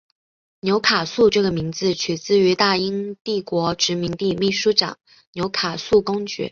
纽卡素这个名字取自于大英帝国殖民地秘书长纽卡素公爵。